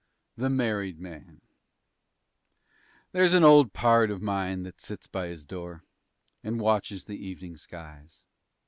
THE MARRIED MAN There's an old pard of mine that sits by his door And watches the evenin' skies.